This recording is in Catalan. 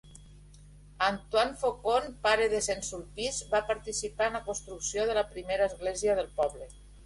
Antoine Faucon, pare de Saint-Sulpice, va participar en la construcció de la primera església del poble.